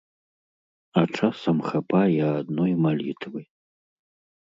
А часам хапае адной малітвы.